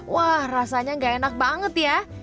wah rasanya gak enak banget ya